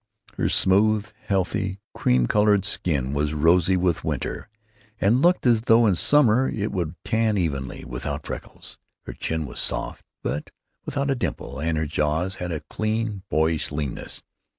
Her smooth, healthy, cream colored skin was rosy with winter, and looked as though in summer it would tan evenly, without freckles. Her chin was soft, but without a dimple, and her jaws had a clean, boyish leanness.